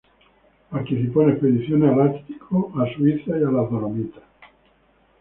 Participó en expediciones al Ártico, a Suiza y a las Dolomitas.